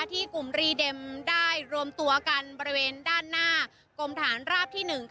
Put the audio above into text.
ที่กลุ่มรีเด็มได้รวมตัวกันบริเวณด้านหน้ากรมฐานราบที่๑